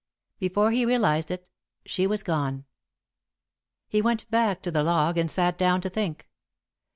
Before he realised it, she was gone. He went back to the log and sat down to think.